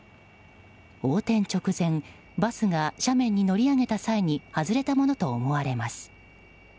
横転直前、バスが斜面に乗り上げた際に外れたものと思われます。